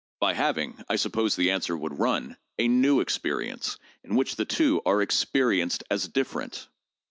By having, I suppose the answer would run, a new experience in which the two are experienced as different.